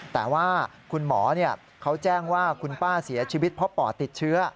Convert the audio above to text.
แต่ว่าคุณหมอเขาแจ้งว่าคุณป้าเสียชีวิตเพราะปอดติดเชื้อ